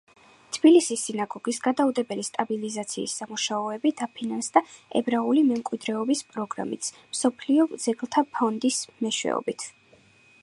თბილისის სინაგოგის გადაუდებელი სტაბილიზაციის სამუშაოები, დაფინანსდა ებრაული მემკვიდრეობის პროგრამით მსოფლიო ძეგლთა ფონდის მეშვეობით.